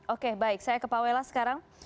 oke baik saya ke pak welas sekarang